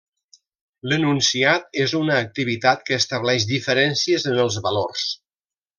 L'enunciat és una activitat que estableix diferències en els valors.